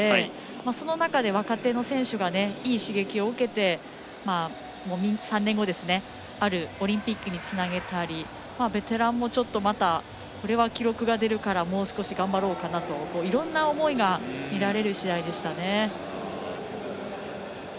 その中で、若手の選手がいい刺激を受けて３年後にあるオリンピックにつなげたりベテランもちょっとまたこれは記録が出るからもう少し頑張ろうかなといろんな思いが見られる試合でした。